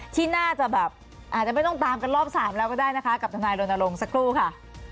ที่น่าจะแบบอาจจะไม่ต้องตามกันรอบ๓แล้วก็ได้นะคะกับทนายรณรงค์สักครู่ค่ะ